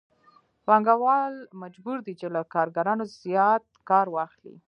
پانګوال مجبور دی چې له کارګرانو زیات کار واخلي